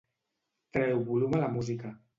Treu volum a la música.